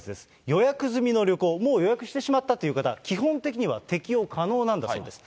予約済みの旅行、もう予約してしまったという方、基本的には適用可能なんだそうです。